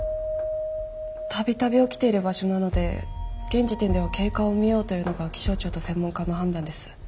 度々起きている場所なので現時点では経過を見ようというのが気象庁と専門家の判断です。